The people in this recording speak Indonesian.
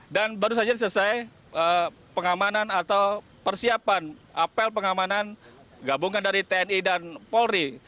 dan baru saja selesai pengamanan atau persiapan apel pengamanan gabungan dari tni dan polri